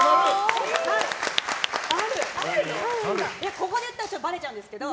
ここで言ったらばれちゃうんですけど。